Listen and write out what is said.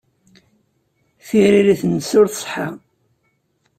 Tiririt-nnes ur tṣeḥḥa.